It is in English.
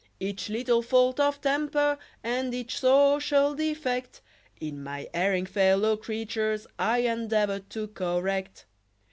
Each little fault of temper and each social defect In my erring fellow creatures, I endeavor to correct.